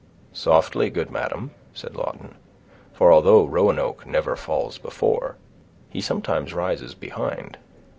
"Softly, good madam," said Lawton; "for although Roanoke never falls before, he sometimes rises behind.